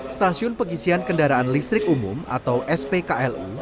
stasiun pengisian kendaraan listrik umum atau spklu